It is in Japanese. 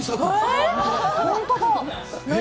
本当だ。